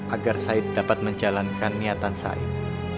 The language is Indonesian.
agar said dapat menjalankan niatan said